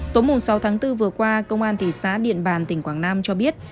tối sáu tháng bốn vừa qua công an thị xã điện bàn tỉnh quảng nam cho biết